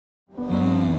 うん。